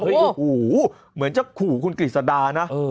โอ้โหเหมือนจะขู่คุณกฤษดานะ